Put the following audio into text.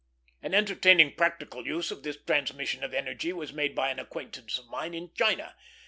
An entertaining practical use of this transmission of energy was made by an acquaintance of mine in China.